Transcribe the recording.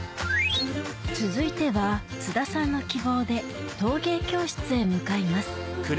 続いては津田さんの希望で陶芸教室へ向かいます